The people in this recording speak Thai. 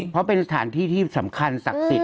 เพราะเป็นสถานที่ที่สำคัญศักดิ์สิทธิ